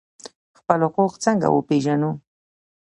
خپل حقوق څنګه وپیژنو؟